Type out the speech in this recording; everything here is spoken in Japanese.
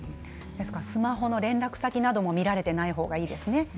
スマホの連絡先なども見られていない方がいいですね。